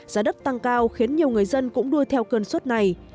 giá đất tăng cao khiến nhiều người dân cũng đuôi theo cơn suất này